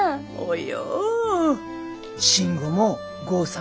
およ。